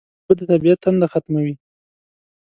اوبه د طبیعت تنده ختموي